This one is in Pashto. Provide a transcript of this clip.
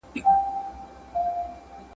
همدارنګه دې «مخکښانو»